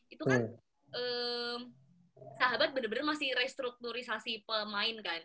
itu kan sahabat bener bener masih restrukturisasi pemain kan